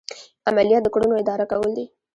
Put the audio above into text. عملیات د کړنو اداره کول دي.